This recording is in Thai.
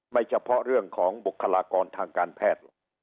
เฉพาะเรื่องของบุคลากรทางการแพทย์หรอก